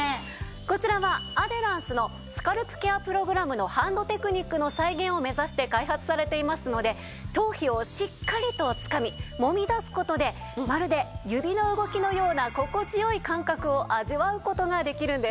こちらはアデランスのスカルプケアプログラムのハンドテクニックの再現を目指して開発されていますので頭皮をしっかりとつかみもみ出す事でまるで指の動きのような心地良い感覚を味わう事ができるんです。